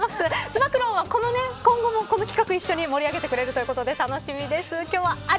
つば九郎は今後もこの企画一緒に盛り上げてくれるということで楽しみです。